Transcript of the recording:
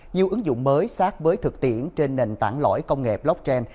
nhiều ứng dụng mới sát với thực tiễn trên nền tảng lõi công nghệ blockchain